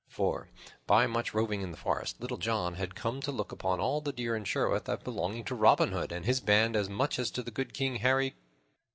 For by much roving in the forest, Little John had come to look upon all the deer in Sherwood as belonging to Robin Hood and his band as much as to good King Harry.